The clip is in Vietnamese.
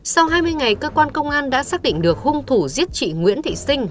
sau hai mươi ngày cơ quan công an đã xác định được hung thủ giết chị nguyễn thị sinh